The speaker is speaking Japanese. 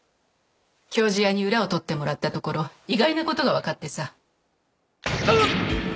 経師屋に裏を取ってもらったところ意外なことが分かってさうっ！